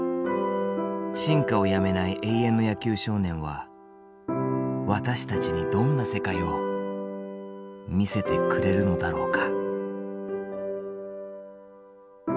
進化をやめない永遠の野球少年は私たちにどんな世界を見せてくれるのだろうか。